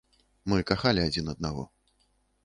Мы кахалі адзін аднаго.